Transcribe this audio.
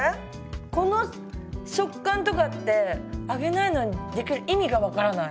この食感とかって揚げないのに出来る意味が分からない。